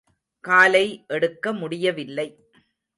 காலை எடுக்க முடியவில்லை.